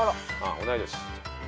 同い年。